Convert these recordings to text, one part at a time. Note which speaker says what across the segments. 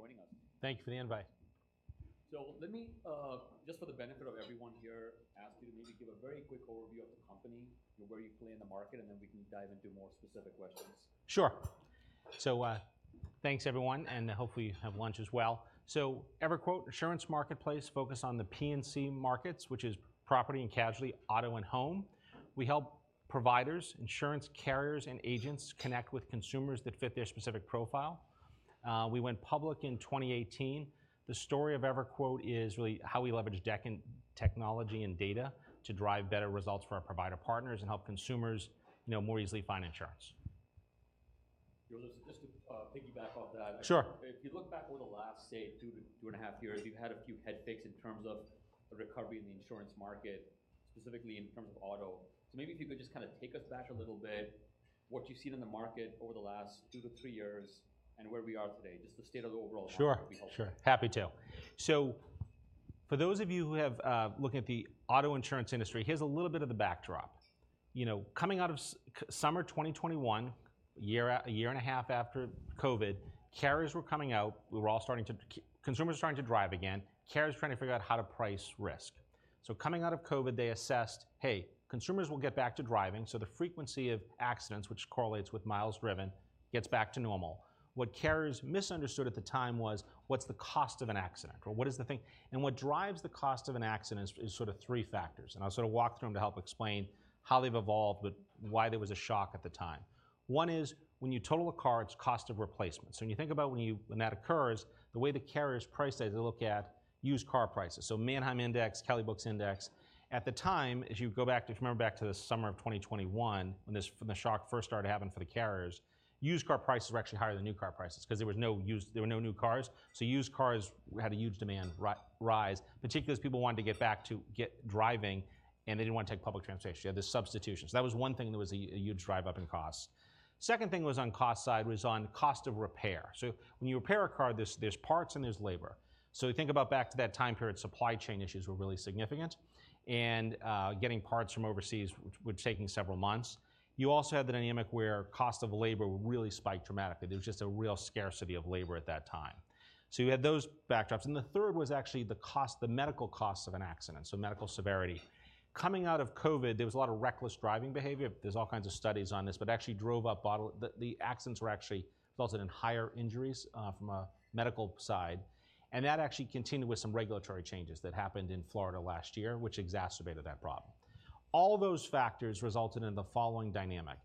Speaker 1: Thank you for joining us.
Speaker 2: Thank you for the invite.
Speaker 1: Let me just, for the benefit of everyone here, ask you to maybe give a very quick overview of the company, and where you play in the market, and then we can dive into more specific questions.
Speaker 2: Sure. So, thanks, everyone, and hopefully you had lunch as well. So EverQuote Insurance Marketplace focuses on the P&C markets, which is property and casualty, auto and home. We help providers, insurance carriers, and agents connect with consumers that fit their specific profile. We went public in 2018. The story of EverQuote is really how we leverage technology and data to drive better results for our provider partners and help consumers, you know, more easily find insurance.
Speaker 1: Joseph, just to piggyback off that-
Speaker 2: Sure.
Speaker 1: If you look back over the last, say, 2-2.5 years, you've had a few head fakes in terms of the recovery in the insurance market, specifically in terms of auto. So maybe if you could just kind of take us back a little bit, what you've seen in the market over the last 2-3 years and where we are today, just the state of the overall market-
Speaker 2: Sure
Speaker 1: would be helpful.
Speaker 2: Sure. Happy to. So for those of you who have looking at the auto insurance industry, here's a little bit of the backdrop. You know, coming out of summer 2021, a year and a half after COVID, carriers were coming out. Consumers were starting to drive again, carriers trying to figure out how to price risk. So coming out of COVID, they assessed, "Hey, consumers will get back to driving," so the frequency of accidents, which correlates with miles driven, gets back to normal. What carriers misunderstood at the time was, what's the cost of an accident? Or what is the thing... What drives the cost of an accident is sort of three factors, and I'll sort of walk through them to help explain how they've evolved, but why there was a shock at the time. One is when you total a car, it's cost of replacement. So when you think about when that occurs, the way the carriers price that is they look at used car prices, so Manheim Index, Kelley Blue Book Index. At the time, as you go back to, if you remember back to the summer of 2021, when this, when the shock first started happening for the carriers, used car prices were actually higher than new car prices, 'cause there were no new cars, so used cars had a huge demand rise, particularly as people wanted to get back to get driving, and they didn't want to take public transportation. You had this substitution. So that was one thing that was a huge drive up in cost. Second thing was on cost side, was on cost of repair. So when you repair a car, there's parts and there's labor. So we think about back to that time period, supply chain issues were really significant, and getting parts from overseas, which taking several months. You also had the dynamic where cost of labor really spiked dramatically. There was just a real scarcity of labor at that time. So you had those backdrops, and the third was actually the cost, the medical costs of an accident, so medical severity. Coming out of COVID, there was a lot of reckless driving behavior. There's all kinds of studies on this, but actually drove up auto... The accidents were actually resulting in higher injuries from a medical side, and that actually continued with some regulatory changes that happened in Florida last year, which exacerbated that problem. All of those factors resulted in the following dynamic: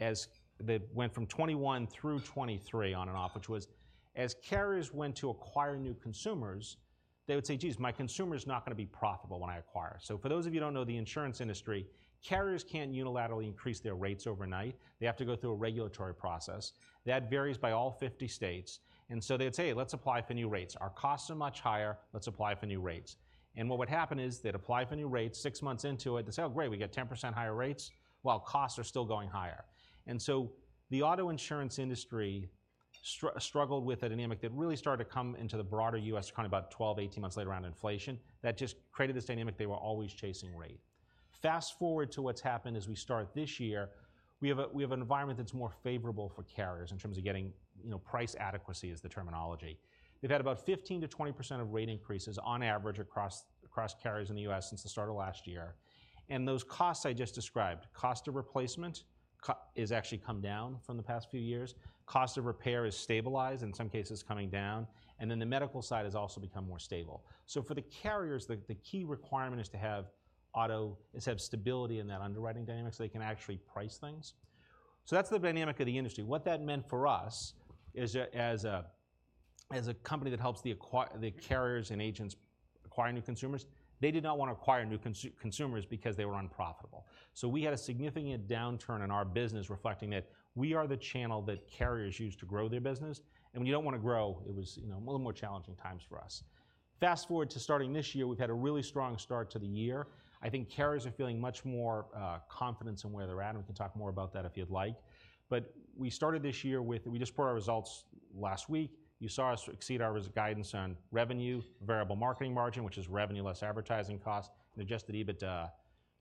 Speaker 2: as they went from 2021 through 2023 on and off, which was, as carriers went to acquire new consumers, they would say, "Geez, my consumer's not gonna be profitable when I acquire." So for those of you who don't know the insurance industry, carriers can't unilaterally increase their rates overnight. They have to go through a regulatory process. That varies by all 50 states, and so they'd say, "Let's apply for new rates. Our costs are much higher, let's apply for new rates." And what would happen is, they'd apply for new rates. Six months into it, they'd say, "Oh, great, we get 10% higher rates, while costs are still going higher." And so the auto insurance industry struggled with a dynamic that really started to come into the broader U.S., kind of about 12-18 months later around inflation, that just created this dynamic, they were always chasing rate. Fast-forward to what's happened as we start this year, we have an environment that's more favorable for carriers in terms of getting, you know, price adequacy is the terminology. They've had about 15%-20% of rate increases on average across, across carriers in the U.S. since the start of last year, and those costs I just described, cost of replacement, has actually come down from the past few years. Cost of repair is stabilized, in some cases coming down, and then the medical side has also become more stable. So for the carriers, the key requirement is to have stability in that underwriting dynamic, so they can actually price things. So that's the dynamic of the industry. What that meant for us is a company that helps the carriers and agents acquire new consumers. They did not want to acquire new consumers because they were unprofitable. So we had a significant downturn in our business, reflecting that we are the channel that carriers use to grow their business, and when you don't want to grow, it was, you know, a little more challenging times for us. Fast-forward to starting this year, we've had a really strong start to the year. I think carriers are feeling much more confidence in where they're at, and we can talk more about that if you'd like. But we started this year with. We just put our results last week. You saw us exceed our guidance on revenue, Variable Marketing Margin, which is revenue less advertising cost, and Adjusted EBITDA.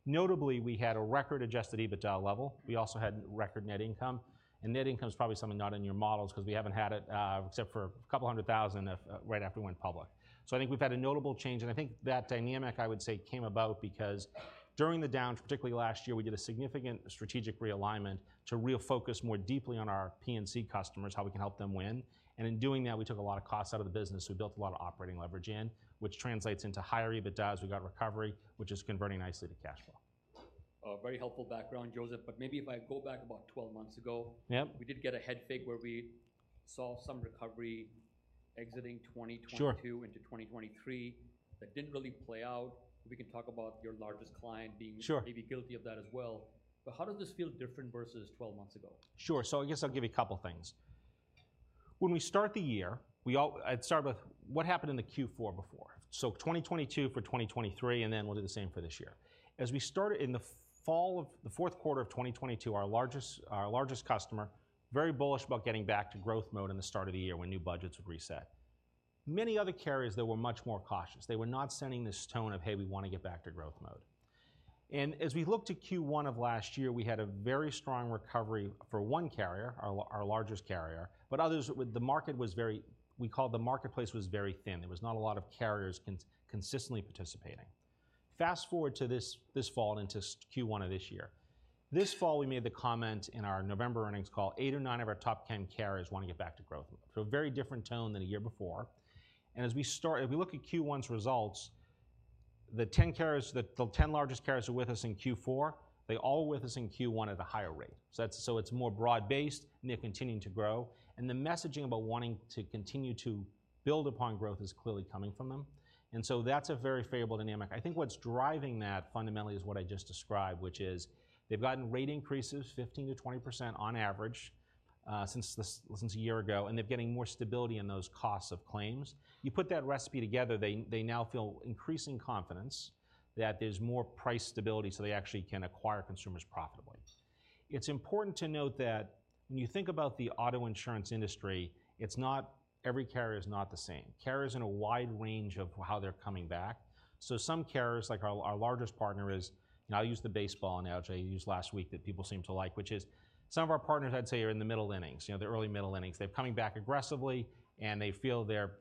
Speaker 2: Notably, we had a record Adjusted EBITDA level. We also had record net income, and net income is probably something not in your models, 'cause we haven't had it except for $200,000 right after we went public. So I think we've had a notable change, and I think that dynamic, I would say, came about because during the down, particularly last year, we did a significant strategic realignment to really focus more deeply on our P&C customers, how we can help them win. In doing that, we took a lot of costs out of the business. We built a lot of operating leverage in, which translates into higher EBITDAs. We got recovery, which is converting nicely to cash flow.
Speaker 1: Very helpful background, Joseph, but maybe if I go back about 12 months ago-
Speaker 2: Yeah.
Speaker 1: We did get a head fake where we saw some recovery exiting 2022.
Speaker 2: Sure
Speaker 1: -into 2023. That didn't really play out. We can talk about your largest client being-
Speaker 2: Sure...
Speaker 1: maybe guilty of that as well. But how does this feel different versus 12 months ago?
Speaker 2: Sure. So I guess I'll give you a couple things. When we start the year, I'd start with what happened in the Q4 before, so 2022 for 2023, and then we'll do the same for this year. As we started in the fourth quarter of 2022, our largest customer, very bullish about getting back to growth mode in the start of the year when new budgets would reset. Many other carriers, they were much more cautious. They were not sending this tone of, "Hey, we want to get back to growth mode." And as we look to Q1 of last year, we had a very strong recovery for one carrier, our largest carrier. But others, the market was very thin. We call it the marketplace was very thin. There was not a lot of carriers consistently participating. Fast-forward to this fall into Q1 of this year. This fall, we made the comment in our November earnings call, eight or nine of our top 10 carriers wanna get back to growth. So a very different tone than a year before, and as we start, if we look at Q1's results, the 10 carriers, the 10 largest carriers who were with us in Q4, they're all with us in Q1 at a higher rate. So that's so it's more broad-based, and they're continuing to grow, and the messaging about wanting to continue to build upon growth is clearly coming from them, and so that's a very favorable dynamic. I think what's driving that fundamentally is what I just described, which is they've gotten rate increases 15%-20% on average, since this, since a year ago, and they're getting more stability in those costs of claims. You put that recipe together, they, they now feel increasing confidence that there's more price stability, so they actually can acquire consumers profitably. It's important to note that when you think about the auto insurance industry, it's not... every carrier is not the same. Carriers in a wide range of how they're coming back, so some carriers, like our, our largest partner, is, and I'll use the baseball analogy I used last week that people seem to like, which is some of our partners, I'd say, are in the middle innings, you know, the early middle innings. They're coming back aggressively, and they feel they're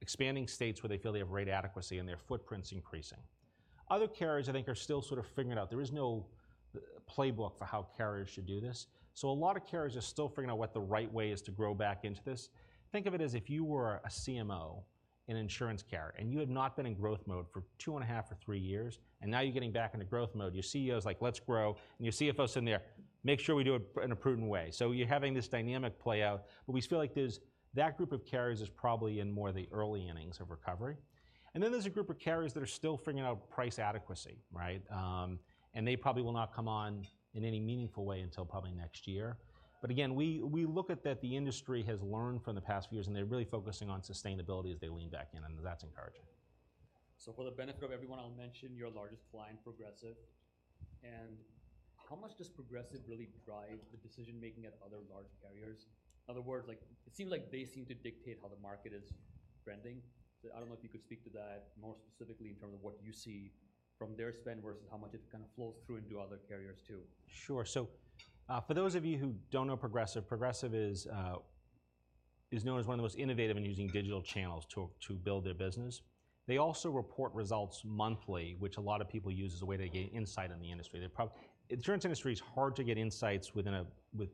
Speaker 2: expanding states where they feel they have rate adequacy and their footprint's increasing. Other carriers, I think, are still sort of figuring it out. There is no playbook for how carriers should do this, so a lot of carriers are still figuring out what the right way is to grow back into this. Think of it as if you were a CMO in insurance carrier, and you had not been in growth mode for two and a half or three years, and now you're getting back into growth mode. Your CEO's like, "Let's grow," and your CFO's sitting there, "Make sure we do it in a prudent way." So you're having this dynamic play out, but we feel like there's, that group of carriers is probably in more of the early innings of recovery. And then there's a group of carriers that are still figuring out price adequacy, right? And they probably will not come on in any meaningful way until probably next year. But again, we look at that the industry has learned from the past few years, and they're really focusing on sustainability as they lean back in, and that's encouraging.
Speaker 1: For the benefit of everyone, I'll mention your largest client, Progressive, and how much does Progressive really drive the decision-making at other large carriers? In other words, like, it seems like they seem to dictate how the market is trending. So I don't know if you could speak to that more specifically in terms of what you see from their spend, versus how much it kind of flows through into other carriers, too.
Speaker 2: Sure. So, for those of you who don't know Progressive, Progressive is known as one of the most innovative in using digital channels to build their business. They also report results monthly, which a lot of people use as a way to gain insight on the industry. Insurance industry, it's hard to get insights within,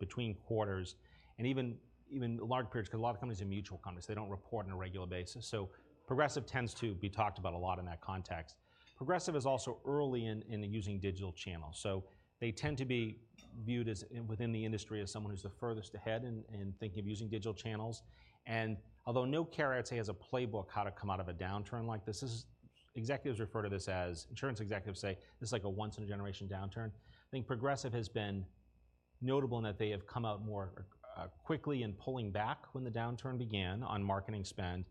Speaker 2: between quarters and even large periods, 'cause a lot of companies are mutual companies. They don't report on a regular basis, so Progressive tends to be talked about a lot in that context. Progressive is also early in using digital channels, so they tend to be viewed as within the industry as someone who's the furthest ahead in thinking of using digital channels. And although no carrier, I'd say, has a playbook how to come out of a downturn like this, this is... Executives refer to this as insurance executives say, "This is like a once in a generation downturn." I think Progressive has been notable in that they have come out more quickly in pulling back when the downturn began on marketing spend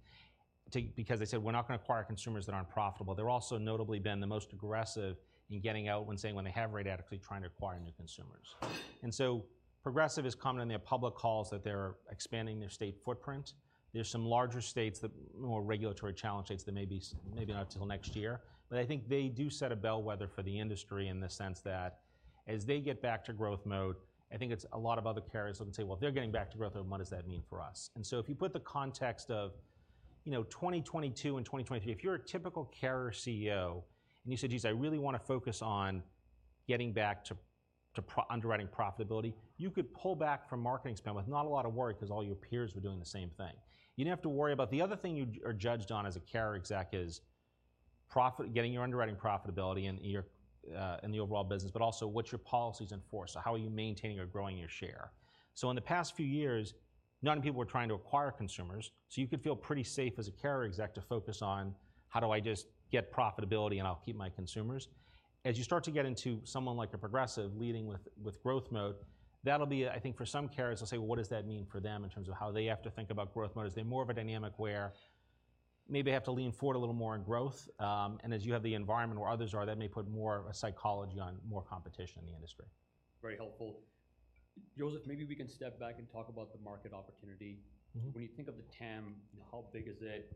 Speaker 2: because they said, "We're not gonna acquire consumers that aren't profitable." They're also notably been the most aggressive in getting out when saying when they have rate adequacy, trying to acquire new consumers. And so Progressive is commenting in their public calls that they're expanding their state footprint. There's some larger states that more regulatory challenge states that may be, maybe not until next year. But I think they do set a bellwether for the industry in the sense that, as they get back to growth mode, I think it's a lot of other carriers will say: Well, if they're getting back to growth mode, what does that mean for us? And so if you put the context of, you know, 2022 and 2023, if you're a typical carrier CEO and you said, "Geez, I really want to focus on getting back to underwriting profitability," you could pull back from marketing spend with not a lot of worry, 'cause all your peers were doing the same thing. You didn't have to worry about... The other thing you're judged on as a carrier exec is profit, getting your underwriting profitability in your, in the overall business, but also what's your policies in force? So how are you maintaining or growing your share? So in the past few years, not many people were trying to acquire consumers, so you could feel pretty safe as a carrier exec to focus on, How do I just get profitability, and I'll keep my consumers? As you start to get into someone like a Progressive leading with growth mode, that'll be, I think, for some carriers will say: Well, what does that mean for them in terms of how they have to think about growth mode? Is there more of a dynamic where maybe they have to lean forward a little more on growth? And as you have the environment where others are, that may put more of a psychology on more competition in the industry.
Speaker 1: Very helpful. Joseph, maybe we can step back and talk about the market opportunity. When you think of the TAM, how big is it?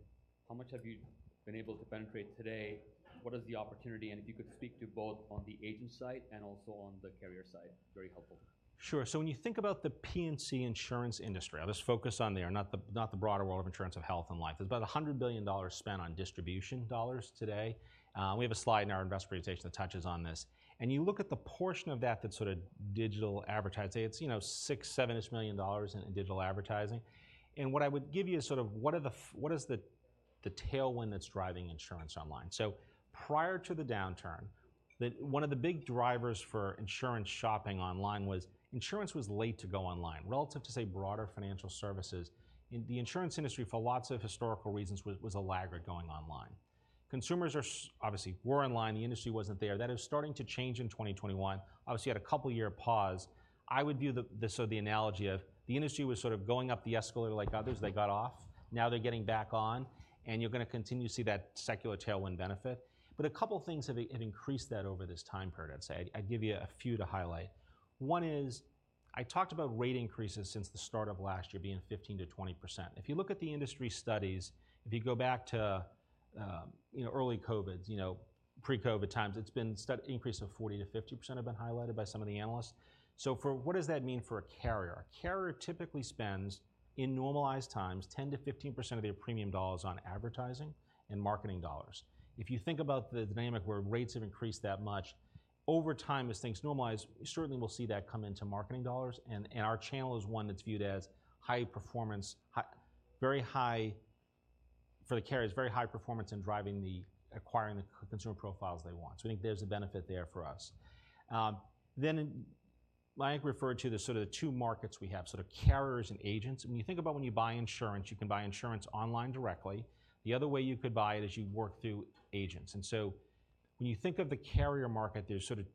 Speaker 1: How much have you been able to penetrate today? What is the opportunity? And if you could speak to both on the agent side and also on the carrier side, very helpful.
Speaker 2: Sure. So when you think about the P&C insurance industry, I'll just focus on there, not the, not the broader world of insurance of health and life. There's about $100 billion spent on distribution dollars today. We have a slide in our investor presentation that touches on this. And you look at the portion of that, that's sort of digital advertising, it's, you know, $6 million-$7 million in digital advertising. And what I would give you is sort of what are the f- what is the, the tailwind that's driving insurance online? So prior to the downturn, the, one of the big drivers for insurance shopping online was insurance was late to go online, relative to, say, broader financial services. In the insurance industry, for lots of historical reasons, was a laggard going online. Consumers are shopping obviously, were online, the industry wasn't there. That is starting to change in 2021. Obviously, you had a couple year pause. I would view the analogy of the industry was sort of going up the escalator like others, they got off, now they're getting back on, and you're gonna continue to see that secular tailwind benefit. But a couple of things have increased that over this time period, I'd say. I'd give you a few to highlight. One is I talked about rate increases since the start of last year being 15%-20%. If you look at the industry studies, if you go back to, you know, early COVID, you know, pre-COVID times, it's been increase of 40%-50% have been highlighted by some of the analysts. So, what does that mean for a carrier? A carrier typically spends, in normalized times, 10%-15% of their premium dollars on advertising and marketing dollars. If you think about the dynamic where rates have increased that much, over time, as things normalize, we certainly will see that come into marketing dollars, and our channel is one that's viewed as high performance, high, very high... For the carriers, very high performance in driving the acquiring the consumer profiles they want, so I think there's a benefit there for us. Then, Mayank referred to the sort of two markets we have, sort of carriers and agents, and when you think about when you buy insurance, you can buy insurance online directly. The other way you could buy it is you work through agents. And so when you think of the carrier market, there's sort of,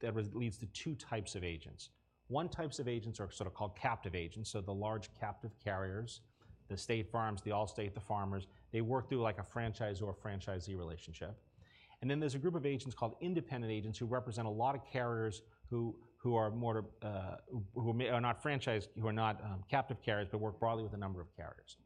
Speaker 2: that leads to two types of agents. One type of agents are sort of called captive agents, so the large captive carriers, the State Farm, the Allstate, the Farmers. They work through like a franchisor-franchisee relationship. And then there's a group of agents called independent agents, who represent a lot of carriers, who are not franchised, who are not captive carriers, but work broadly with a number of carriers.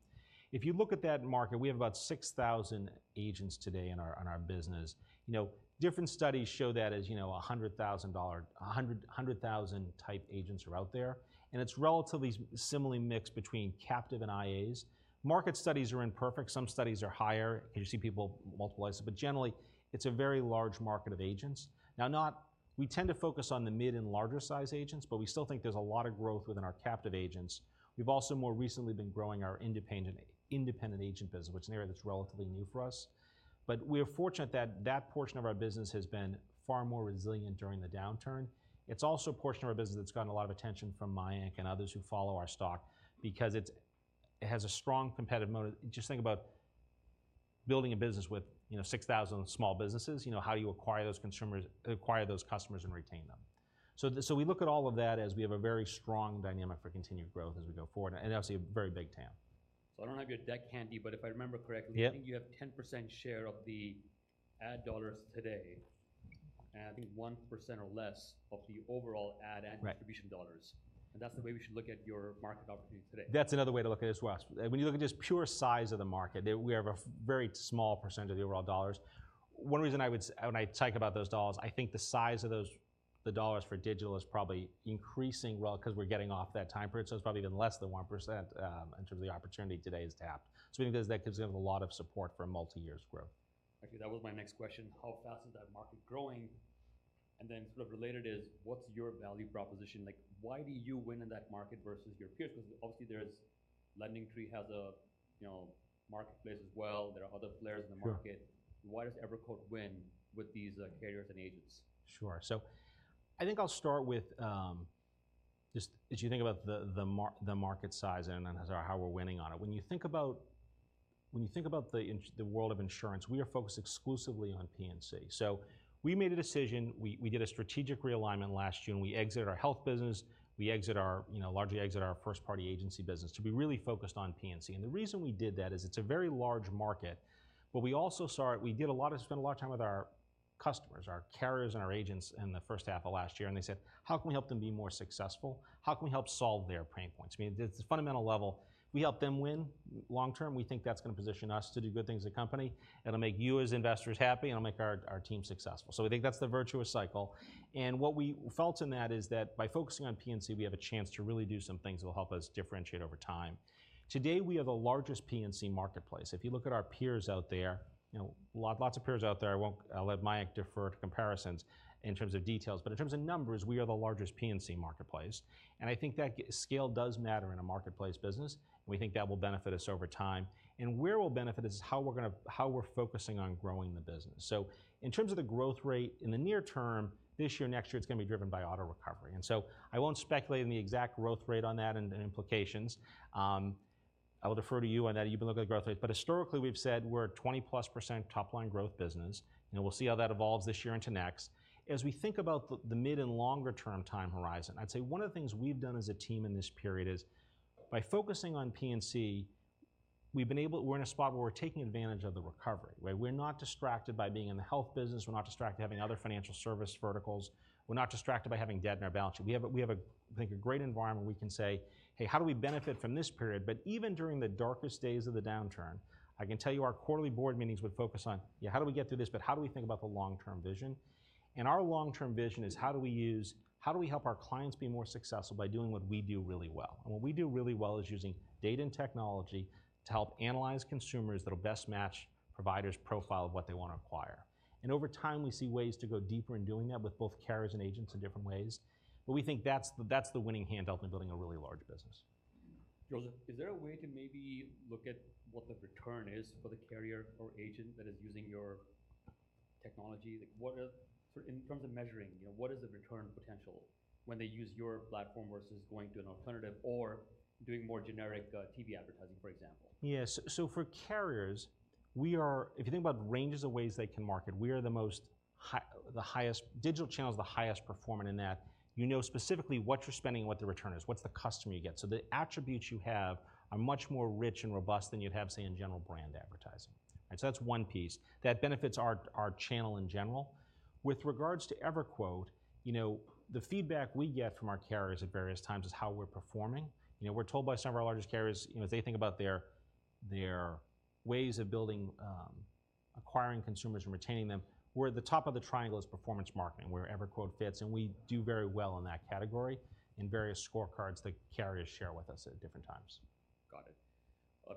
Speaker 2: If you look at that market, we have about 6,000 agents today in our business. You know, different studies show that as, you know, $ 100,000, 100,000 type agents are out there, and it's relatively similarly mixed between captive and IAs. Market studies are imperfect. Some studies are higher, and you see people multiply this, but generally, it's a very large market of agents. Now, not... We tend to focus on the mid and larger size agents, but we still think there's a lot of growth within our captive agents. We've also more recently been growing our independent independent agent business, which is an area that's relatively new for us. But we are fortunate that that portion of our business has been far more resilient during the downturn. It's also a portion of our business that's gotten a lot of attention from Mayank and others who follow our stock because it's, it has a strong competitive moat. Just think about building a business with, you know, 6,000 small businesses. You know, how do you acquire those consumers, acquire those customers and retain them? So we look at all of that as we have a very strong dynamic for continued growth as we go forward, and obviously, a very big TAM.
Speaker 1: I don't have your deck handy, but if I remember correctly-
Speaker 2: Yeah.
Speaker 1: - I think you have 10% share of the ad dollars today, and I think 1% or less of the overall ad-
Speaker 2: Right
Speaker 1: and distribution dollars, and that's the way we should look at your market opportunity today?
Speaker 2: That's another way to look at it as well. When you look at just pure size of the market, we have a very small percentage of the overall dollars. One reason I would when I talk about those dollars, I think the size of those, the dollars for digital is probably increasing well, 'cause we're getting off that time period, so it's probably even less than 1%, in terms of the opportunity today is tapped. So we think that gives them a lot of support for multi-years growth.
Speaker 1: Actually, that was my next question: How fast is that market growing? And then sort of related is, what's your value proposition? Like, why do you win in that market versus your peers? Because obviously, there's LendingTree has a, you know, marketplace as well. There are other players in the market.
Speaker 2: Sure.
Speaker 1: Why does EverQuote win with these carriers and agents?
Speaker 2: Sure. So I think I'll start with just as you think about the market size and how we're winning on it. When you think about the world of insurance, we are focused exclusively on P&C. So we made a decision. We did a strategic realignment last year, and we exited our health business. You know, largely exited our first-party agency business to be really focused on P&C. And the reason we did that is it's a very large market, but we also saw it. We spent a lot of time with our customers, our carriers, and our agents in the first half of last year, and they said, "How can we help them be more successful? How can we help solve their pain points?" I mean, the, the fundamental level, we help them win. Long term, we think that's gonna position us to do good things as a company, it'll make you, as investors, happy, and it'll make our, our team successful. So we think that's the virtuous cycle, and what we felt in that is that by focusing on P&C, we have a chance to really do some things that will help us differentiate over time. Today, we have the largest P&C marketplace. If you look at our peers out there, you know, lot, lots of peers out there, I won't... I'll let Mayank defer to comparisons in terms of details, but in terms of numbers, we are the largest P&C marketplace, and I think that scale does matter in a marketplace business, and we think that will benefit us over time. Where we'll benefit is how we're focusing on growing the business. In terms of the growth rate, in the near term, this year, next year, it's gonna be driven by auto recovery, and so I won't speculate on the exact growth rate on that and implications. I will defer to you on that, you can look at the growth rate, but historically, we've said we're a 20+% top-line growth business, and we'll see how that evolves this year into next. As we think about the mid- and longer-term time horizon, I'd say one of the things we've done as a team in this period is, by focusing on P&C, we're in a spot where we're taking advantage of the recovery, right? We're not distracted by being in the health business. We're not distracted by having other financial service verticals. We're not distracted by having debt on our balance sheet. We have a, I think, a great environment where we can say, "Hey, how do we benefit from this period?" But even during the darkest days of the downturn, I can tell you, our quarterly board meetings would focus on, "Yeah, how do we get through this, but how do we think about the long-term vision?" And our long-term vision is how do we use, how do we help our clients be more successful by doing what we do really well? And what we do really well is using data and technology to help analyze consumers that'll best match providers' profile of what they want to acquire. Over time, we see ways to go deeper in doing that with both carriers and agents in different ways, but we think that's the, that's the winning hand out in building a really large business.
Speaker 1: Joseph, is there a way to maybe look at what the return is for the carrier or agent that is using your technology? Like, what are, sort of in terms of measuring, you know, what is the return potential when they use your platform versus going to an alternative or doing more generic, TV advertising, for example?
Speaker 2: Yeah. So for carriers, we are. If you think about ranges of ways they can market, we are the most high, the highest. Digital channel is the highest performing in that. You know specifically what you're spending and what the return is, what's the customer you get. So the attributes you have are much more rich and robust than you'd have, say, in general brand advertising, right? So that's one piece. That benefits our channel in general. With regards to EverQuote, you know, the feedback we get from our carriers at various times is how we're performing. You know, we're told by some of our largest carriers, you know, they think about their-... There are ways of building, acquiring consumers and retaining them, where the top of the triangle is performance marketing, where EverQuote fits, and we do very well in that category, in various scorecards that carriers share with us at different times.
Speaker 1: Got it.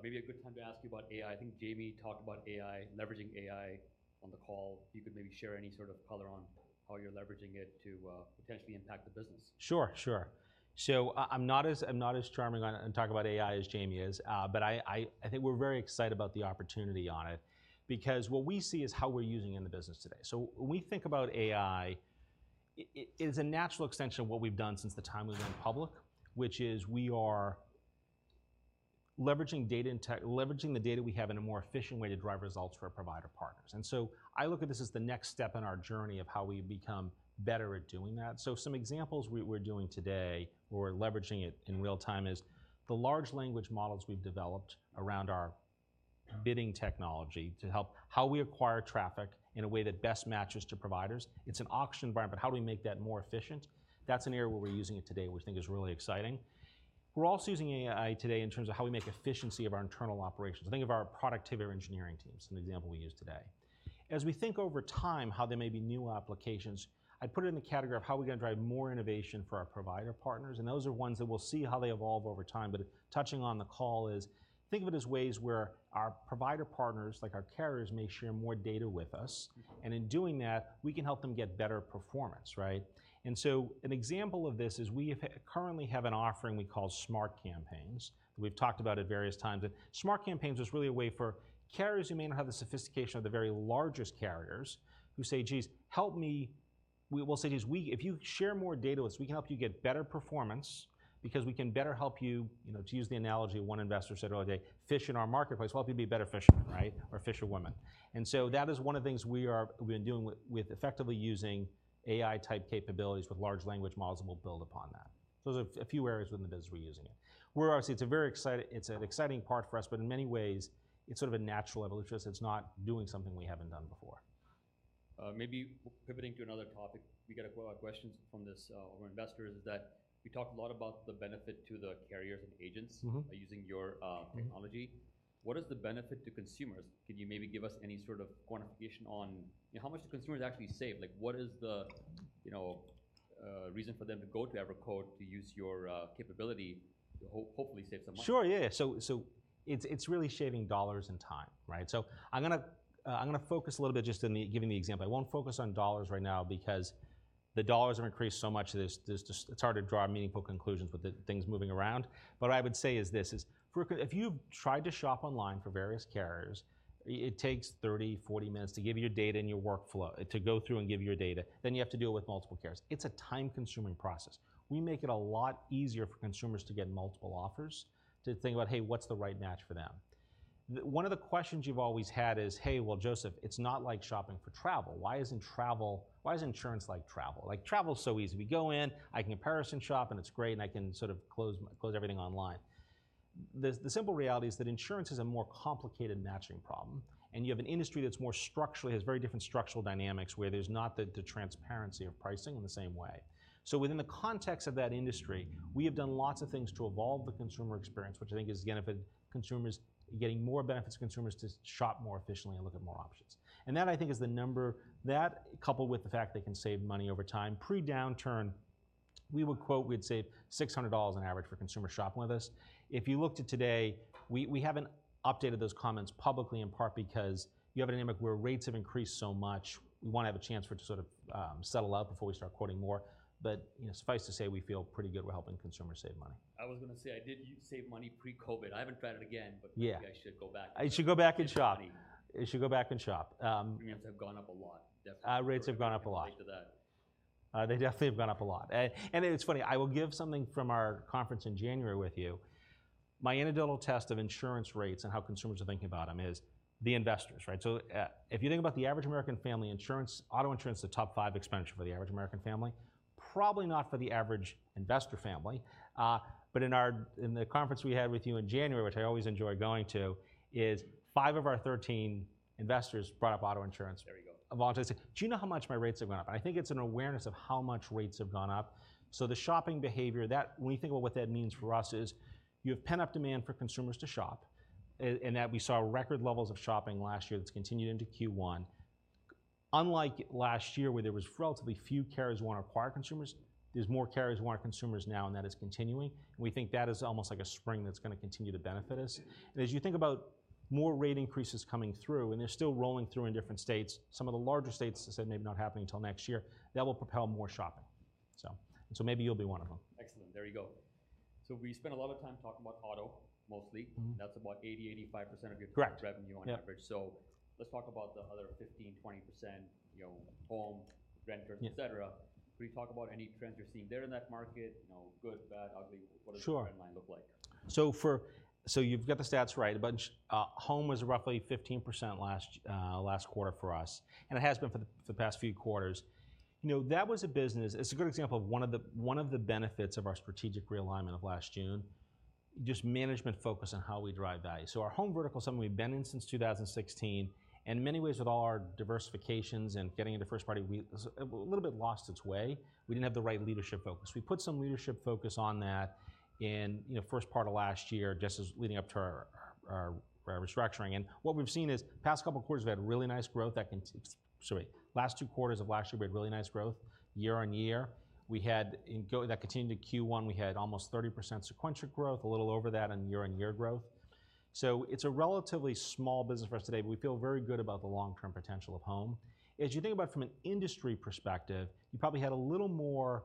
Speaker 1: Maybe a good time to ask you about AI. I think Jayme talked about AI, leveraging AI on the call. You could maybe share any sort of color on how you're leveraging it to potentially impact the business.
Speaker 2: Sure, sure. So, I'm not as charming on talking about AI as Jayme is, but I think we're very excited about the opportunity on it, because what we see is how we're using it in the business today. So when we think about AI, it is a natural extension of what we've done since the time we've gone public, which is we are leveraging the data we have in a more efficient way to drive results for our provider partners. And so I look at this as the next step in our journey of how we become better at doing that. So some examples we're doing today, we're leveraging it in real time is, the large language models we've developed around our bidding technology to help how we acquire traffic in a way that best matches to providers. It's an auction environment, but how do we make that more efficient? That's an area where we're using it today, we think is really exciting. We're also using AI today in terms of how we make efficiency of our internal operations. Think of our productivity of our engineering teams, an example we use today. As we think over time how there may be new applications, I'd put it in the category of how are we gonna drive more innovation for our provider partners, and those are ones that we'll see how they evolve over time. But touching on the call is, think of it as ways where our provider partners, like our carriers, may share more data with us, and in doing that, we can help them get better performance, right? And so an example of this is we have currently have an offering we call Smart Campaigns, we've talked about it various times. But Smart Campaigns is really a way for carriers who may not have the sophistication of the very largest carriers, who say, "Geez, help me..." We will say, "Geez, we-- if you share more data with us, we can help you get better performance because we can better help you," you know, to use the analogy one investor said the other day, "fish in our marketplace, we'll help you be a better fisherman," right? Or fisherwoman. And so that is one of the things we've been doing with effectively using AI-type capabilities with large language models, and we'll build upon that. Those are a few areas within the business we're using it. We're obviously... It's a very exciting, it's an exciting part for us, but in many ways, it's sort of a natural evolution. It's not doing something we haven't done before.
Speaker 1: Maybe pivoting to another topic, we got quite a lot of questions from this, from our investors, is that we talked a lot about the benefit to the carriers and agents using your technology. What is the benefit to consumers? Can you maybe give us any sort of quantification on, you know, how much do consumers actually save? Like, what is the, you know, reason for them to go to EverQuote to use your capability to hopefully save some money?
Speaker 2: Sure, yeah, yeah. So, it's really saving dollars and time, right? So I'm gonna focus a little bit just on the giving the example. I won't focus on dollars right now because the dollars have increased so much that there's just... It's hard to draw meaningful conclusions with the things moving around. But what I would say is this, for a consumer if you've tried to shop online for various carriers, it takes 30, 40 minutes to give you your data and your workflow, to go through and give you your data. Then you have to do it with multiple carriers. It's a time-consuming process. We make it a lot easier for consumers to get multiple offers, to think about, hey, what's the right match for them? One of the questions you've always had is, "Hey, well, Joseph, it's not like shopping for travel. Why isn't travel? Why isn't insurance like travel? Like, travel's so easy. We go in, I can comparison shop, and it's great, and I can sort of close my, close everything online." The simple reality is that insurance is a more complicated matching problem, and you have an industry that's more structurally, has very different structural dynamics, where there's not the transparency of pricing in the same way. So within the context of that industry, we have done lots of things to evolve the consumer experience, which I think is gonna benefit consumers, getting more benefits to consumers to shop more efficiently and look at more options. And that, I think, is the number, that coupled with the fact they can save money over time. Pre-downturn, we would quote, we'd save $600 on average for consumer shopping with us. If you looked at today, we haven't updated those comments publicly, in part because you have a dynamic where rates have increased so much, we wanna have a chance for it to sort of settle out before we start quoting more. But, you know, suffice to say, we feel pretty good we're helping consumers save money.
Speaker 1: I was gonna say, I did save money pre-COVID. I haven't tried it again-
Speaker 2: Yeah.
Speaker 1: But maybe I should go back.
Speaker 2: You should go back and shop.
Speaker 1: Save money.
Speaker 2: You should go back and shop.
Speaker 1: Premiums have gone up a lot, definitely.
Speaker 2: Rates have gone up a lot.
Speaker 1: According to that.
Speaker 2: They definitely have gone up a lot. And it's funny, I will give something from our conference in January with you. My anecdotal test of insurance rates and how consumers are thinking about them is the investors, right? So, if you think about the average American family insurance, auto insurance is the top five expenditure for the average American family, probably not for the average investor family. But in the conference we had with you in January, which I always enjoy going to, five of our 13 investors brought up auto insurance.
Speaker 1: There you go.
Speaker 2: A lot of them say, "Do you know how much my rates have gone up?" I think it's an awareness of how much rates have gone up. So the shopping behavior, that, when you think about what that means for us, is you have pent-up demand for consumers to shop, and that we saw record levels of shopping last year that's continued into Q1. Unlike last year, where there was relatively few carriers who wanna acquire consumers, there's more carriers who want our consumers now, and that is continuing, and we think that is almost like a spring that's gonna continue to benefit us. As you think about more rate increases coming through, and they're still rolling through in different states, some of the larger states, I said, maybe not happening until next year, that will propel more shopping. And so maybe you'll be one of them.
Speaker 1: Excellent. There you go. So we spent a lot of time talking about auto, mostly. That's about 80%-85% of your-
Speaker 2: Correct...
Speaker 1: revenue on average.
Speaker 2: Yeah.
Speaker 1: So let's talk about the other 15%-20%, you know, home, renters-
Speaker 2: Yeah...
Speaker 1: et cetera. Could you talk about any trends you're seeing there in that market? You know, good, bad, ugly-
Speaker 2: Sure...
Speaker 1: what does the trend line look like?
Speaker 2: So you've got the stats right. A bunch home was roughly 15% last quarter for us, and it has been for the past few quarters. You know, that was a business... It's a good example of one of the benefits of our strategic realignment of last June, just management focus on how we drive value. So our home vertical is something we've been in since 2016, and in many ways, with all our diversifications and getting into first party, we a little bit lost its way. We didn't have the right leadership focus. We put some leadership focus on that in, you know, first part of last year, just as leading up to our restructuring. What we've seen is in the past couple of quarters, we've had really nice growth. Last two quarters of last year, we had really nice growth year-on-year. That continued to Q1, we had almost 30% sequential growth, a little over that in year-on-year growth. So it's a relatively small business for us today, but we feel very good about the long-term potential of home. As you think about from an industry perspective, you probably had a little more.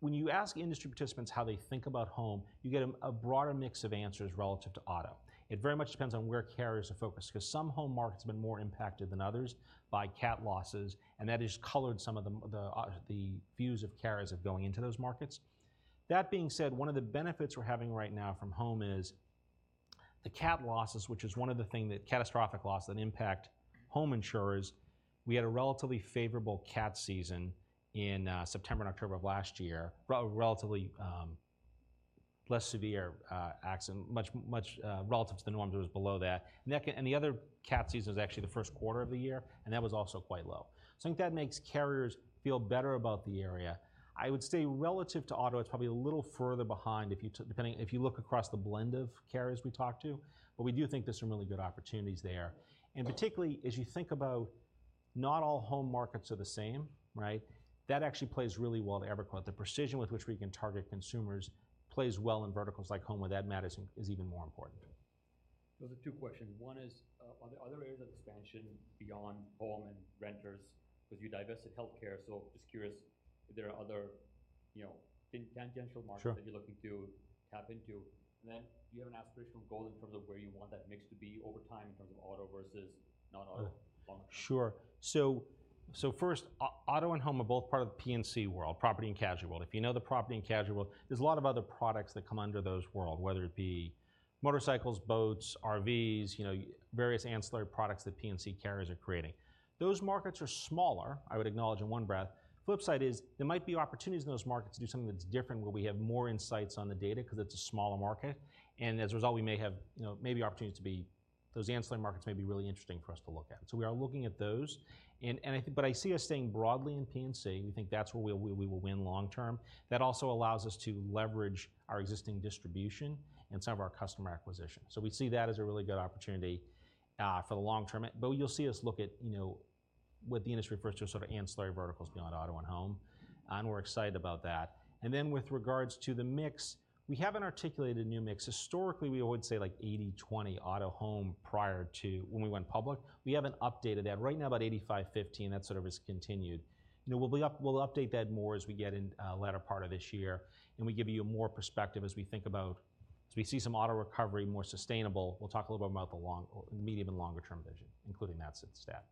Speaker 2: When you ask industry participants how they think about home, you get a broader mix of answers relative to auto. It very much depends on where carriers are focused, 'cause some home markets have been more impacted than others by Cat losses, and that has colored some of the views of carriers of going into those markets. That being said, one of the benefits we're having right now from home is the cat losses, which is one of the thing that, catastrophic loss, that impact home insurers. We had a relatively favorable Cat season in September and October of last year. Relatively less severe accident, much, much relative to the norms, it was below that. And the other Cat season was actually the first quarter of the year, and that was also quite low. So I think that makes carriers feel better about the area. I would say relative to auto, it's probably a little further behind if you took depending if you look across the blend of carriers we talked to, but we do think there's some really good opportunities there. And particularly, as you think about not all home markets are the same, right? That actually plays really well to EverQuote. The precision with which we can target consumers plays well in verticals like home, where that matters is even more important.
Speaker 1: Those are two questions. One is, are there other areas of expansion beyond home and renters? 'Cause you divested healthcare, so just curious if there are other, you know, tangential markets-
Speaker 2: Sure.
Speaker 1: - that you're looking to tap into. And then, do you have an aspirational goal in terms of where you want that mix to be over time, in terms of auto versus not auto?
Speaker 2: Sure. So, so first, auto and home are both part of the P&C world, property and casualty. If you know the property and casualty world, there's a lot of other products that come under those world, whether it be motorcycles, boats, RVs, you know, various ancillary products that P&C carriers are creating. Those markets are smaller, I would acknowledge in one breath. Flip side is, there might be opportunities in those markets to do something that's different, where we have more insights on the data, 'cause it's a smaller market, and as a result, we may have, you know, maybe opportunities to be... Those ancillary markets may be really interesting for us to look at. So we are looking at those, and, and I think but I see us staying broadly in P&C. We think that's where we, we will win long term. That also allows us to leverage our existing distribution and some of our customer acquisition. So we see that as a really good opportunity for the long term. But you'll see us look at, you know, what the industry refers to as sort of ancillary verticals beyond auto and home, and we're excited about that. And then, with regards to the mix, we haven't articulated a new mix. Historically, we would say, like, 80, 20 auto, home, prior to when we went public. We haven't updated that. Right now, about 85, 15, that sort of has continued. You know, we'll update that more as we get in latter part of this year, and we give you more perspective as we think about... As we see some auto recovery, more sustainable, we'll talk a little bit about the long-, medium-, and longer-term vision, including that sort of stat.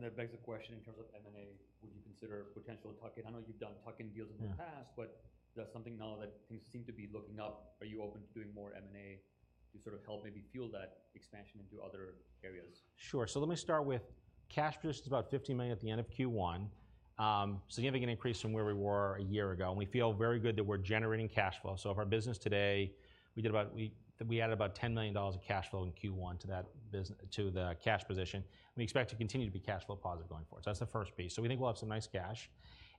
Speaker 1: That begs the question in terms of M&A. Would you consider potential tuck-in? I know you've done tuck-in deals in the past but that's something now that things seem to be looking up. Are you open to doing more M&A to sort of help maybe fuel that expansion into other areas?
Speaker 2: Sure. So let me start with cash just about $50 million at the end of Q1. Significant increase from where we were a year ago, and we feel very good that we're generating cash flow. So in our business today, we did about, we added about $10 million of cash flow in Q1 to the cash position. We expect to continue to be cash flow positive going forward. So that's the first piece. So we think we'll have some nice cash.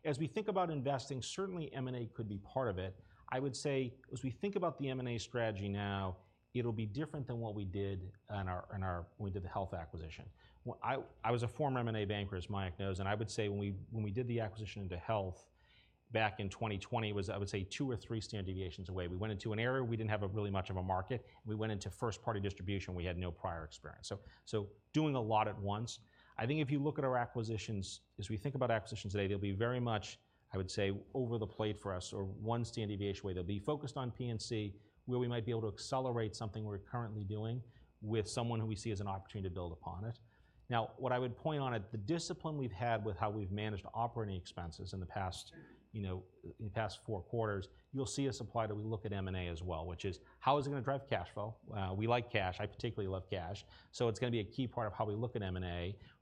Speaker 2: As we think about investing, certainly M&A could be part of it. I would say, as we think about the M&A strategy now, it'll be different than what we did on our, in our... When we did the health acquisition. I was a former M&A banker, as Mayank knows, and I would say, when we did the acquisition into health back in 2020, it was, I would say, two or three standard deviations away. We went into an area we didn't have a really much of a market, and we went into first-party distribution, we had no prior experience. So doing a lot at once. I think if you look at our acquisitions, as we think about acquisitions today, they'll be very much, I would say, over the plate for us or one standard deviation way. They'll be focused on P&C, where we might be able to accelerate something we're currently doing with someone who we see as an opportunity to build upon it. Now, what I would point on it, the discipline we've had with how we've managed operating expenses in the past, you know, in the past four quarters, you'll see us apply to when we look at M&A as well, which is, how is it gonna drive cash flow? We like cash. I particularly love cash. So it's gonna be a key part of how we look at M&A.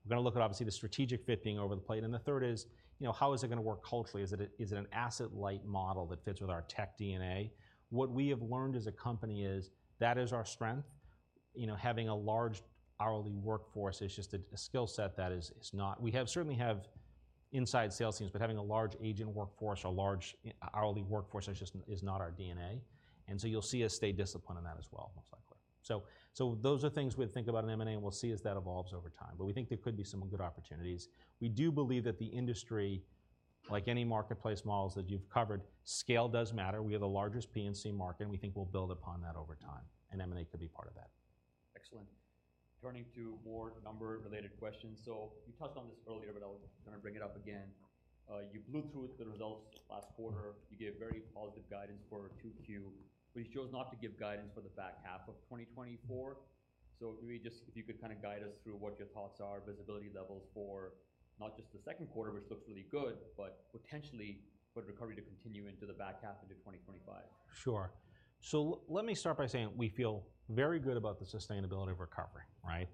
Speaker 2: We're gonna look at, obviously, the strategic fit being over the plate, and the third is, you know, how is it gonna work culturally? Is it a, is it an asset-light model that fits with our tech DNA? What we have learned as a company is, that is our strength. You know, having a large hourly workforce is just a, a skill set that is, is not... We certainly have inside sales teams, but having a large agent workforce or large hourly workforce is just not our DNA, and so you'll see us stay disciplined on that as well, most likely. So those are things we'd think about in M&A, and we'll see as that evolves over time, but we think there could be some good opportunities. We do believe that the industry, like any marketplace models that you've covered, scale does matter. We have the largest P&C market, and we think we'll build upon that over time, and M&A could be part of that.
Speaker 1: Excellent. Turning to more number-related questions. So you touched on this earlier, but I was gonna bring it up again. You blew through the results last quarter. You gave very positive guidance for 2Q, but you chose not to give guidance for the back half of 2024. So maybe just if you could kind of guide us through what your thoughts are, visibility levels for not just the second quarter, which looks really good, but potentially for the recovery to continue into the back half into 2025.
Speaker 2: Sure. So let me start by saying we feel very good about the sustainability of recovery, right?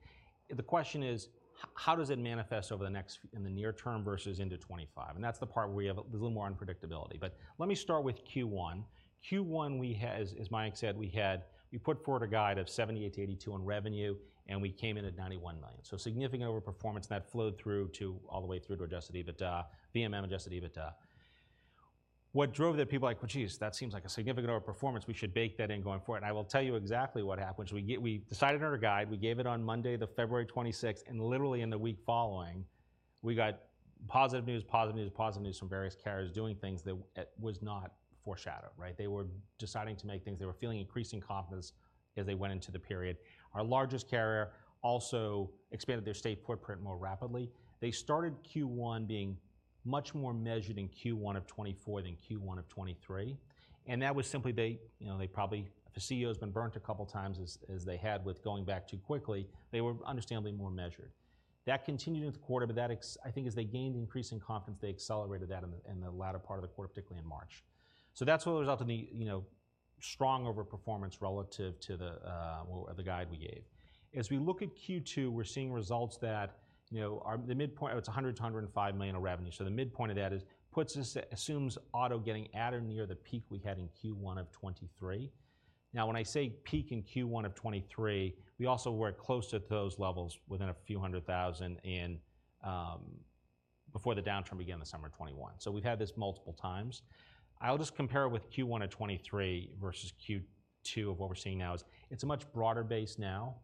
Speaker 2: The question is, how does it manifest over the next in the near term versus into 2025? And that's the part where we have a little more unpredictability. But let me start with Q1. Q1, we had, as Mayank said, we put forward a guide of $78 million-$82 million on revenue, and we came in at $91 million. So significant overperformance, and that flowed through to all the way through to adjusted EBITDA, VMM adjusted EBITDA... what drove that people are like, "Well, geez, that seems like a significant overperformance. We should bake that in going forward." And I will tell you exactly what happened, which we decided on our guide, we gave it on Monday, February 26th, and literally in the week following, we got positive news, positive news, positive news from various carriers doing things that was not foreshadowed, right? They were deciding to make things. They were feeling increasing confidence as they went into the period. Our largest carrier also expanded their state footprint more rapidly. They started Q1 being much more measured in Q1 of 2024 than Q1 of 2023, and that was simply they, you know, they probably, the CEO has been burnt a couple of times as they had with going back too quickly. They were understandably more measured. That continued through the quarter, but that – I think as they gained increasing confidence, they accelerated that in the latter part of the quarter, particularly in March. So that's what resulted in the, you know, strong overperformance relative to the, well, the guide we gave. As we look at Q2, we're seeing results that, you know, are... The midpoint, it's $100 million-$105 million of revenue. So the midpoint of that is, puts us, assumes auto getting at or near the peak we had in Q1 of 2023. Now, when I say peak in Q1 of 2023, we also were at close to those levels within a few hundred thousand in, before the downturn began the summer of 2021. So we've had this multiple times. I'll just compare it with Q1 of 2023 versus Q2 of what we're seeing now is it's a much broader base now.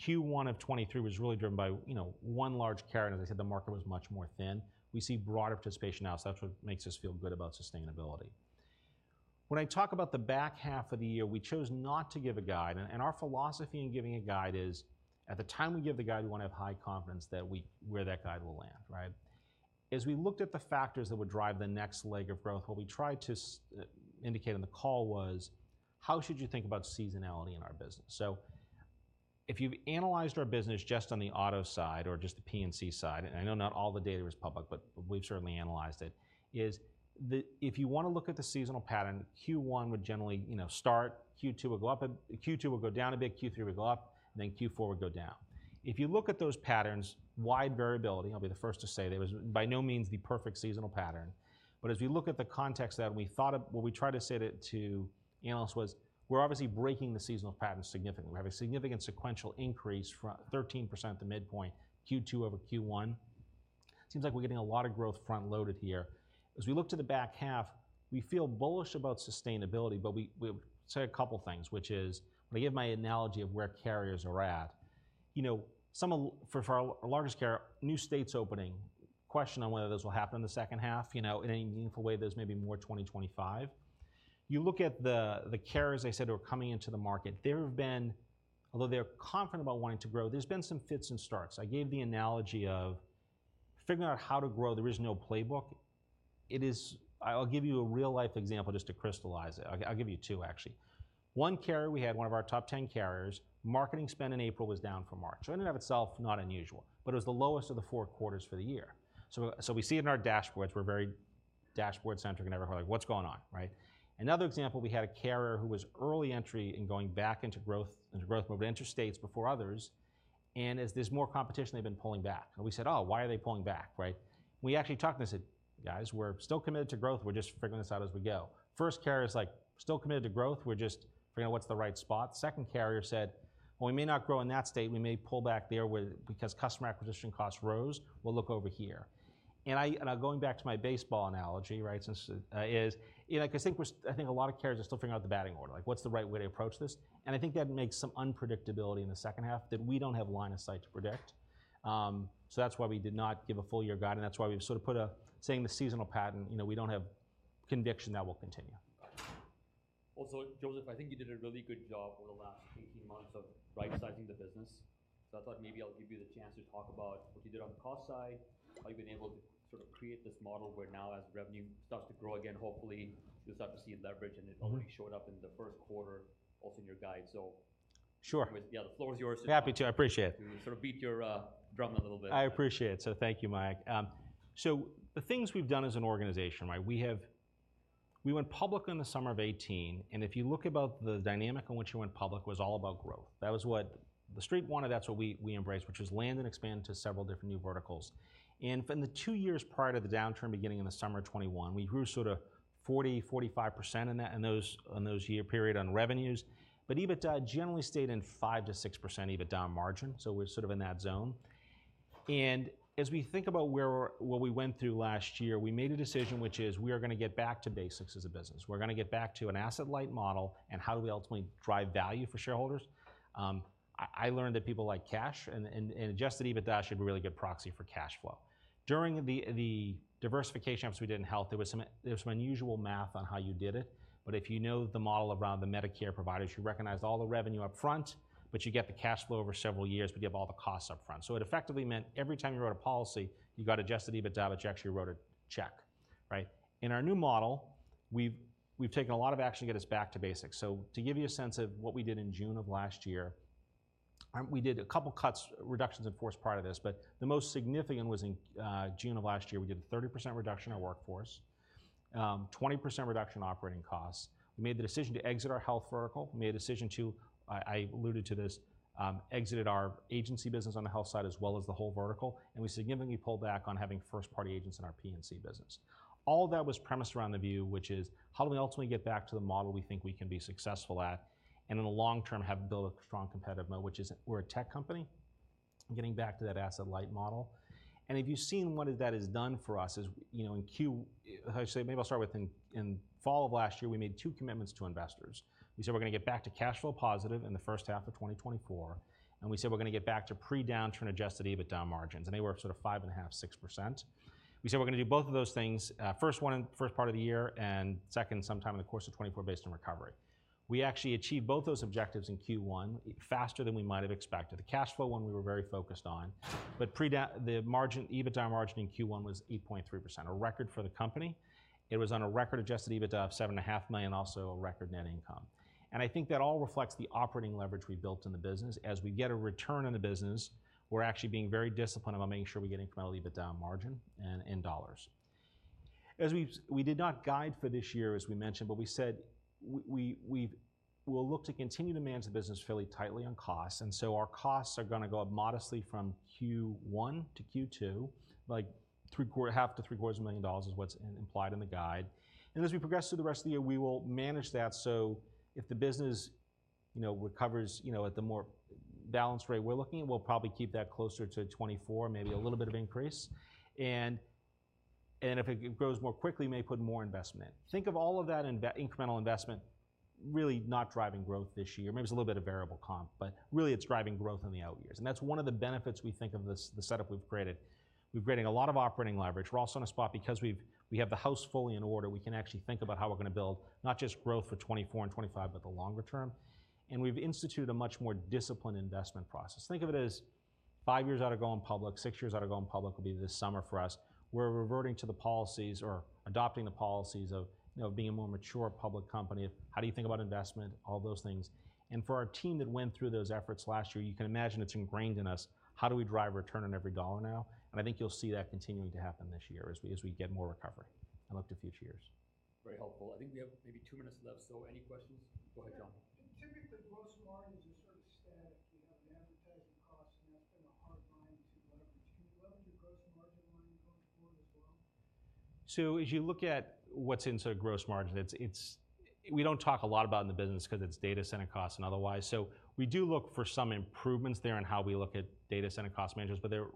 Speaker 2: Q1 of 2023 was really driven by, you know, one large carrier, and as I said, the market was much more thin. We see broader participation now, so that's what makes us feel good about sustainability. When I talk about the back half of the year, we chose not to give a guide, and our philosophy in giving a guide is, at the time we give the guide, we wanna have high confidence that we where that guide will land, right? As we looked at the factors that would drive the next leg of growth, what we tried to indicate on the call was: how should you think about seasonality in our business? So if you've analyzed our business just on the auto side or just the P&C side, and I know not all the data is public, but we've certainly analyzed it, is the... If you wanna look at the seasonal pattern, Q1 would generally, you know, start, Q2 would go up, Q2 would go down a bit, Q3 would go up, and then Q4 would go down. If you look at those patterns, wide variability, I'll be the first to say, there was by no means the perfect seasonal pattern. But as we look at the context of that, and we thought of... What we tried to say to, to analysts was, we're obviously breaking the seasonal pattern significantly. We have a significant sequential increase from 13% to midpoint, Q2 over Q1. Seems like we're getting a lot of growth front-loaded here. As we look to the back half, we feel bullish about sustainability, but we say a couple of things, which is, when I give my analogy of where carriers are at, you know, for our largest carrier, new states opening. Question on whether those will happen in the second half. You know, in any meaningful way, those may be more 2025. You look at the carriers I said who are coming into the market, there have been, although they're confident about wanting to grow, there's been some fits and starts. I gave the analogy of figuring out how to grow. There is no playbook. I'll give you a real-life example just to crystallize it. I'll give you two, actually. One carrier we had, one of our top ten carriers, marketing spend in April was down from March. So in and of itself, not unusual, but it was the lowest of the four quarters for the year. So, so we see it in our dashboards. We're very dashboard-centric and everywhere, like, what's going on, right? Another example, we had a carrier who was early entry in going back into growth, into growth, moved into states before others, and as there's more competition, they've been pulling back. And we said, "Oh, why are they pulling back?" Right? We actually talked to them and said, "Guys, we're still committed to growth. We're just figuring this out as we go." First carrier is like, "Still committed to growth. We're just figuring out what's the right spot." Second carrier said, "Well, we may not grow in that state. We may pull back there with, because customer acquisition costs rose. We'll look over here." And I, going back to my baseball analogy, right? Since, Yeah, like, I think a lot of carriers are still figuring out the batting order, like, what's the right way to approach this? And I think that makes some unpredictability in the second half that we don't have line of sight to predict. So that's why we did not give a full year guide, and that's why we've sort of put a, saying the seasonal pattern, you know, we don't have conviction that will continue.
Speaker 1: Also, Joseph, I think you did a really good job over the last 18 months of right-sizing the business. So I thought maybe I'll give you the chance to talk about what you did on the cost side, how you've been able to sort of create this model where now as revenue starts to grow again, hopefully you'll start to see a leverage, and it already showed up in the first quarter, also in your guide. So-
Speaker 2: Sure.
Speaker 1: Yeah, the floor is yours.
Speaker 2: Happy to. I appreciate it.
Speaker 1: Sort of beat your drum a little bit.
Speaker 2: I appreciate it, so thank you, Mayank. So the things we've done as an organization, right? We went public in the summer of 2018, and if you look about the dynamic in which we went public, was all about growth. That was what the Street wanted. That's what we embraced, which was land and expand to several different new verticals. And for the two years prior to the downturn, beginning in the summer of 2021, we grew sort of 40%-45% in that year period on revenues, but EBITDA generally stayed in 5%-6% EBITDA margin, so we're sort of in that zone. And as we think about where we're, what we went through last year, we made a decision, which is we are gonna get back to basics as a business. We're gonna get back to an asset-light model, and how do we ultimately drive value for shareholders? I learned that people like cash, and adjusted EBITDA should be a really good proxy for cash flow. During the diversification efforts we did in health, there was some unusual math on how you did it, but if you know the model around the Medicare providers, you recognized all the revenue upfront, but you get the cash flow over several years, but you have all the costs upfront. So it effectively meant every time you wrote a policy, you got adjusted EBITDA, but you actually wrote a check, right? In our new model, we've taken a lot of action to get us back to basics. So to give you a sense of what we did in June of last year, we did a couple cuts, reductions, of course, part of this, but the most significant was in June of last year. We did a 30% reduction in our workforce, 20% reduction in operating costs. We made the decision to exit our health vertical. We made a decision to, I alluded to this, exited our agency business on the health side, as well as the whole vertical, and we significantly pulled back on having first-party agents in our P&C business. All that was premised around the view, which is: how do we ultimately get back to the model we think we can be successful at, and in the long term, have built a strong competitive moat, which is we're a tech company? Getting back to that asset-light model. If you've seen what that has done for us is, you know, maybe I'll start with in fall of last year, we made two commitments to investors. We said we're gonna get back to cash flow positive in the first half of 2024, and we said we're gonna get back to pre-downturn adjusted EBITDA margins, and they were sort of 5.5%-6%. We said we're gonna do both of those things, first one in first part of the year and second, sometime in the course of 2024 based on recovery. We actually achieved both those objectives in Q1, faster than we might have expected. The cash flow one, we were very focused on, but pre-downturn... The margin, EBITDA margin in Q1 was 8.3%, a record for the company. It was on a record adjusted EBITDA of $7.5 million, also a record net income. I think that all reflects the operating leverage we built in the business. As we get a return on the business, we're actually being very disciplined about making sure we get incremental EBITDA margin and dollars. As we did not guide for this year, as we mentioned, but we said we'll look to continue to manage the business fairly tightly on costs, and so our costs are gonna go up modestly from Q1 to Q2, like half to three-quarters of a million dollars is what's implied in the guide. As we progress through the rest of the year, we will manage that, so if the business, you know, recovers, you know, at the more balanced rate we're looking, we'll probably keep that closer to 24, maybe a little bit of increase. And if it grows more quickly, we may put more investment in. Think of all of that incremental investment really not driving growth this year. Maybe it's a little bit of variable comp, but really it's driving growth in the out years, and that's one of the benefits we think of this, the setup we've created. We've created a lot of operating leverage. We're also in a spot because we have the house fully in order. We can actually think about how we're gonna build, not just growth for 2024 and 2025, but the longer term. We've instituted a much more disciplined investment process. Think of it as five years out of going public, six years out of going public will be this summer for us. We're reverting to the policies or adopting the policies of, you know, being a more mature public company. How do you think about investment? All those things. And for our team that went through those efforts last year, you can imagine it's ingrained in us, how do we drive return on every dollar now? And I think you'll see that continuing to happen this year as we, as we get more recovery and look to future years.
Speaker 1: Very helpful. I think we have maybe 2 minutes left, so any questions? Go ahead, John.
Speaker 3: Typically, gross margin is a sort of static. You have the advertising costs, and that's been a hard line to leverage. Can you level the gross margin line going forward as well?
Speaker 2: So as you look at what's into gross margin, it's. We don't talk a lot about it in the business because it's data center costs and otherwise. So we do look for some improvements there in how we look at data center cost measures, but they're,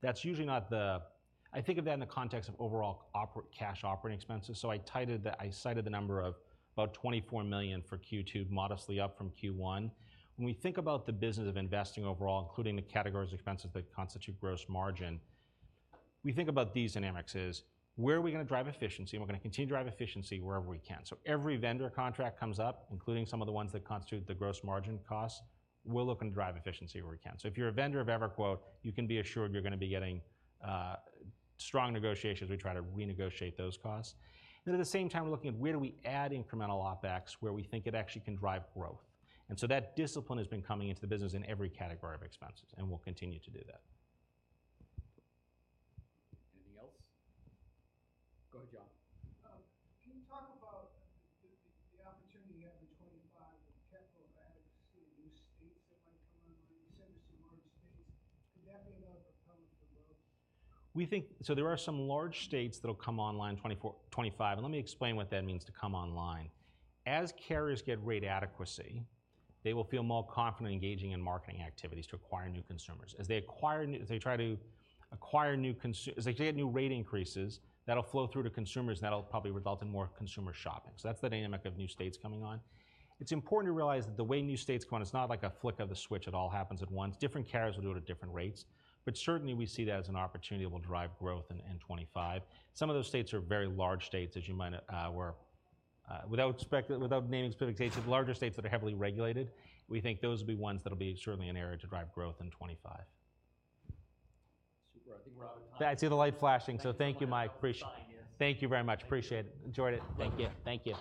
Speaker 2: that's usually not the. I think of that in the context of overall operating cash operating expenses. So I cited the number of about $24 million for Q2, modestly up from Q1. When we think about the business of investing overall, including the categories of expenses that constitute gross margin, we think about these dynamics as, where are we gonna drive efficiency? We're gonna continue to drive efficiency wherever we can. So every vendor contract comes up, including some of the ones that constitute the gross margin costs, we'll look and drive efficiency where we can. If you're a vendor of EverQuote, you can be assured you're gonna be getting strong negotiations. We try to renegotiate those costs. At the same time, we're looking at where do we add incremental OpEx, where we think it actually can drive growth. That discipline has been coming into the business in every category of expenses, and we'll continue to do that.
Speaker 1: Anything else? Go ahead, John.
Speaker 3: Can you talk about the opportunity you have in 2025 with capital adequacy in new states that might come online? You said there's some large states. Could that be another propellant for growth?
Speaker 2: So there are some large states that'll come online in 2024, 2025, and let me explain what that means to come online. As carriers get rate adequacy, they will feel more confident engaging in marketing activities to acquire new consumers. As they try to acquire new consumers as they get new rate increases, that'll flow through to consumers, and that'll probably result in more consumer shopping. So that's the dynamic of new states coming on. It's important to realize that the way new states come on, it's not like a flick of the switch, it all happens at once. Different carriers will do it at different rates, but certainly, we see that as an opportunity that will drive growth in, in 2025. Some of those states are very large states, as you might aware. Without naming specific states, the larger states that are heavily regulated, we think those will be ones that'll be certainly an area to drive growth in 2025.
Speaker 1: Super. I think we're out of time.
Speaker 2: I see the light flashing, so thank you, Mayank. Appreciate it. Thank you very much. Appreciate it. Enjoyed it.
Speaker 1: Thank you. Thank you.